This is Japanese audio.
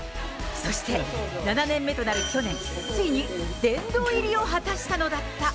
そして７年目となる去年、ついに殿堂入りを果たしたのだった。